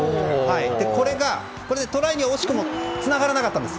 これでトライに惜しくもつながらなかったんです。